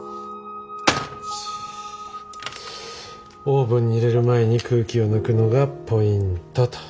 オーブンに入れる前に空気を抜くのがポイントと。